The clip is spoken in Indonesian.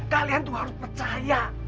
kalian tuh harus percaya